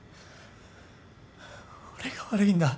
俺が悪いんだ。